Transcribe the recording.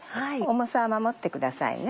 重さは守ってくださいね。